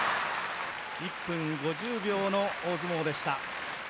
１分５０秒の大相撲でした。